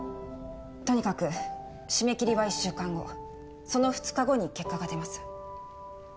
とにかく締め切りは１週間後その２日後に結果が出ます